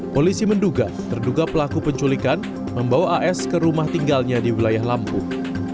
polisi menduga terduga pelaku penculikan membawa as ke rumah tinggalnya di wilayah lampung